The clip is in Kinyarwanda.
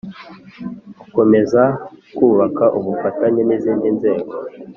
Gukomeza kubaka ubufatanye n izindi nzego